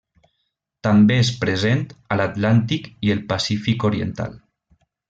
També és present a l'Atlàntic i el Pacífic oriental.